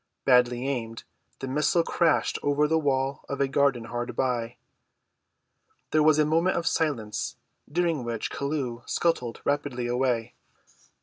Badly aimed, the missile crashed over the wall of a garden hard by. There was a moment of silence, during which Chelluh scuttled rapidly away.